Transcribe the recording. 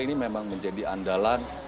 ini memang menjadi andalan